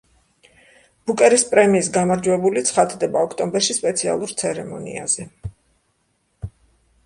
ბუკერის პრემიის გამარჯვებული ცხადდება ოქტომბერში სპეციალურ ცერემონიაზე.